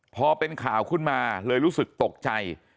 พอเป็นข่าวขึ้นมาเลยรู้สึกตกใจ